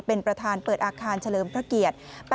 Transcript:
เป็นประธานเปิดอาคารเฉลิมพระเกียรติ